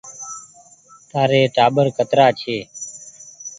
تآري ٽآٻر ڪترآ ڇي ۔